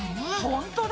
ほんとだ！